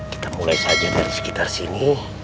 kita mulai saja dari sekitar sini